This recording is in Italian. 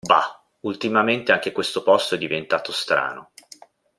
Bah, ultimamente anche questo posto è diventato strano.